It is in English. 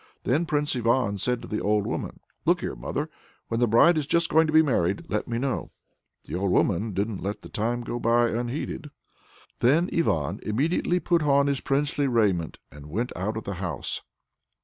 Then Prince Ivan said to the old woman: "Look here, mother! when the bride is just going to be married, let me know." The old woman didn't let the time go by unheeded. Then Ivan immediately put on his princely raiment, and went out of the house.